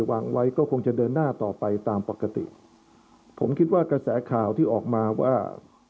วางไว้ก็คงจะเดินหน้าต่อไปตามปกติผมคิดว่ากระแสข่าวที่ออกมาว่า